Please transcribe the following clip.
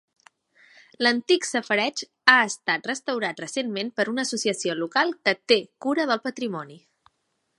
L'antic safareig ha estat restaurat recentment per una associació local que té cura del patrimoni.